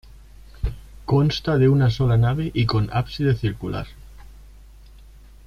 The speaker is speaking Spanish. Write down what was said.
Consta de una sola nave y con ábside circular.